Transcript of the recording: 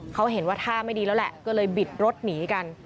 เขาเห็นว่าท่าไม่ดีแล้วแหละก็เลยบิดรถหนีกัน